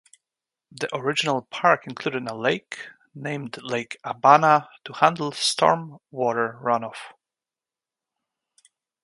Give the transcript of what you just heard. The original park included a lake, named Lake Abana, to handle storm-water runoff.